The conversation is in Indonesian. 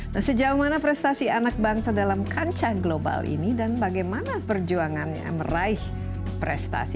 nah sejauh mana prestasi anak bangsa dalam kancah global ini dan bagaimana perjuangannya meraih prestasi